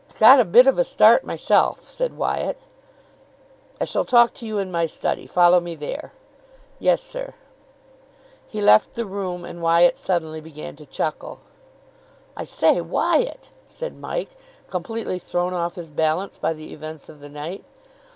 "I got a bit of a start myself," said Wyatt. "I shall talk to you in my study. Follow me there." "Yes, sir." He left the room, and Wyatt suddenly began to chuckle. "I say, Wyatt!" said Mike, completely thrown off his balance by the events of the night.